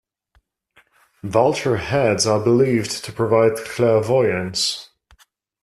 Vulture heads are believed to provide clairvoyance.